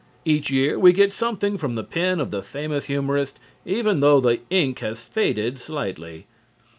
Each year we get something from the pen of the famous humorist, even though the ink has faded slightly.